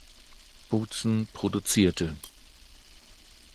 Boutsen produzierte.